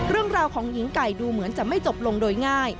เรื่องราวของหญิงไก่ดูเหมือนจะไม่จบลงโดยง่าย